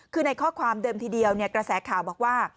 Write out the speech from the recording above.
คือในข้อความเดิมทีเดียวกระแสข่าวบอกว่า